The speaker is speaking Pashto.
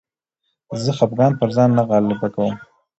زه خپګان پر ځان نه غالبه کوم.